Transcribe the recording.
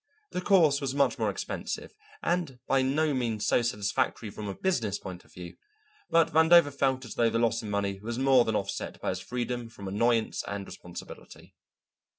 This course was much more expensive and by no means so satisfactory from a business point of view, but Vandover felt as though the loss in money was more than offset by his freedom from annoyance and responsibility.